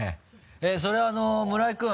それは村井君。